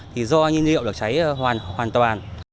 thì do nhiên liệu được cháy hoàn toàn